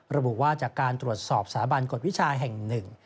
ระบุว่าจากการตรวจสอบสถาบันกฎวิชาแห่งหนึ่ง